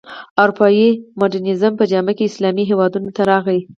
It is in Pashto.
اروپايي مډرنیزم په جامه کې اسلامي هېوادونو ته راغی.